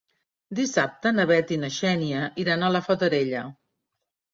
Dissabte na Bet i na Xènia iran a la Fatarella.